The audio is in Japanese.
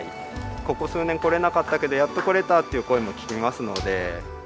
ここ数年、来れなかったけど、やっと来れたっていう声も聞きますので。